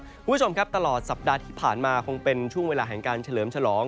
คุณผู้ชมครับตลอดสัปดาห์ที่ผ่านมาคงเป็นช่วงเวลาแห่งการเฉลิมฉลอง